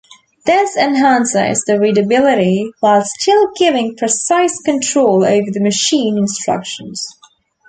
This enhances the readability while still giving precise control over the machine instructions.